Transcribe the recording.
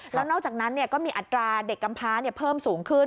แล้วนอกจากนั้นก็มีอัตราเด็กกำพ้าเพิ่มสูงขึ้น